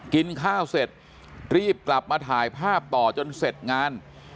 กินข้าวเสร็จรีบกลับมาถ่ายภาพต่อจนเสร็จงาน